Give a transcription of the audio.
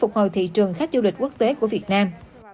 các du lịch quốc tế của việt nam